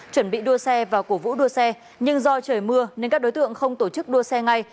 chuẩn bị đua xe và cổ vũ đua xe nhưng do trời mưa nên các đối tượng không tổ chức đua xe ngay